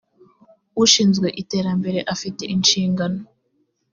ushinzwe iterambere afite inshingano.